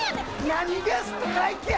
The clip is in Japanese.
何がストライキや！